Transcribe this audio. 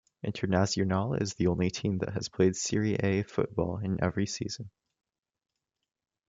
Internazionale is the only team that has played Serie A football in every season.